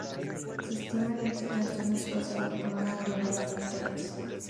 Se estima que este trastorno es causado por una variedad de factores.